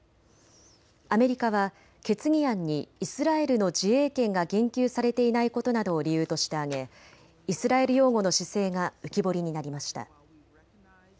アメリカは決議案にイスラエルの自衛権が言及されていないことなどを理由として挙げイスラエル擁護の姿勢が浮き彫りになりました。